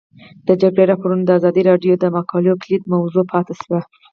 د جګړې راپورونه د ازادي راډیو د مقالو کلیدي موضوع پاتې شوی.